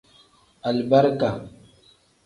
Alibarika.